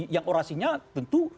yang orasinya tentu